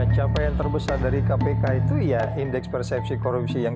capa yang terbesar dari kpk itu ya indeks persepsi korupsi yang tiga puluh tujuh